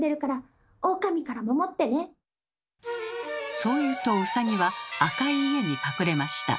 そう言うとウサギは赤い家に隠れました。